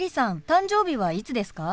誕生日はいつですか？